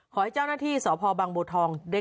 ขอให้เจ้าหน้าที่สพบังบัวทอง